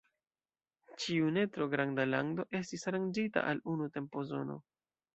Ĉiu ne tro granda lando estis aranĝita al unu tempozono.